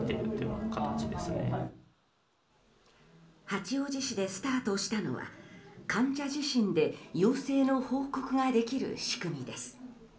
八王子市でスタートしたのは患者自身で陽性の報告ができる仕組みです。